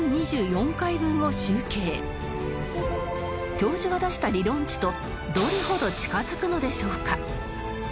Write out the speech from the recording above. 教授が出した理論値とどれほど近づくのでしょうか？